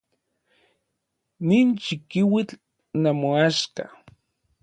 Nin chikiuitl namoaxka.